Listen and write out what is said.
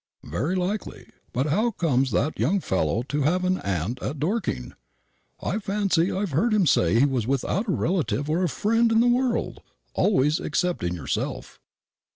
"Very likely. But how comes that young fellow to have an aunt at Dorking? I fancy I've heard him say he was without a relative or a friend in the world always excepting yourself."